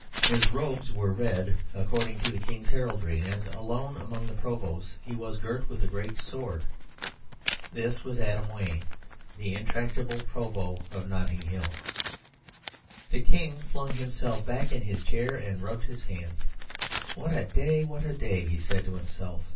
His robes were red, according to the King's heraldry, and, alone among the Provosts, he was girt with a great sword. This was Adam Wayne, the intractable Provost of Notting Hill. The King flung himself back in his chair, and rubbed his hands. "What a day, what a day!" he said to himself.